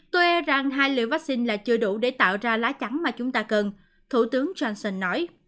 tôi e rằng hai liều vaccine là chưa đủ để tạo ra lá chắn mà chúng ta cần thủ tướng johnson nói